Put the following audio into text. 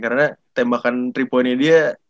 karena tembakan tiga poinnya dia